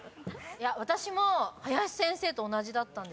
私も林先生と同じだったんですよ。